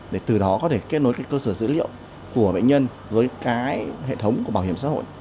để từ đó có thể kết nối các cơ sở dữ liệu của bệnh nhân với cái hệ thống của bảo hiểm xã hội